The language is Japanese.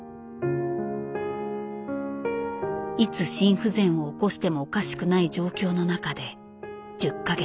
いつ心不全を起こしてもおかしくない状況の中で１０か月。